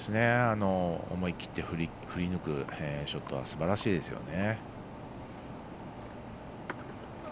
思い切って、振り抜くショットはすばらしいですよね。